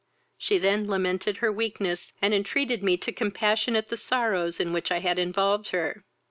She then lamented her weakness, and entreated me to compassionate the sorrows in which I had involved her.